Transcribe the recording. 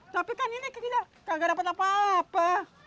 tapi kan ini gak dapat apa apa